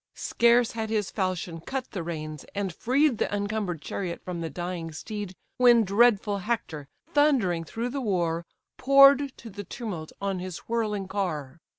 Scarce had his falchion cut the reins, and freed The encumber'd chariot from the dying steed, When dreadful Hector, thundering through the war, Pour'd to the tumult on his whirling car.